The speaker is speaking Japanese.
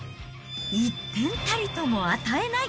１点たりとも与えない。